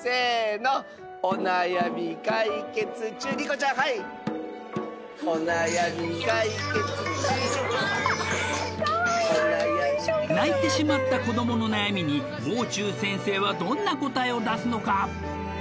のりこちゃんはい泣いてしまった子どもの悩みにもう中先生はどんな答えを出すのか？